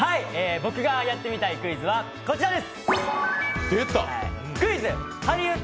僕がやってみたいクイズはこちらです。